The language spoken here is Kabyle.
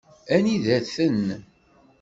Anida-ten?